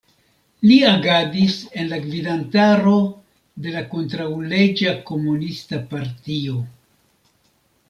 Li agadis en la gvidantaro de la kontraŭleĝa komunista partio.